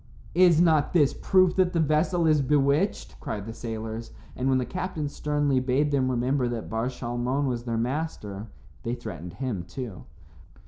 "Is not this proof that the vessel is bewitched?" cried the sailors, and when the captain sternly bade them remember that Bar Shalmon was their master, they threatened him too.